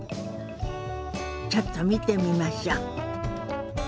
ちょっと見てみましょ。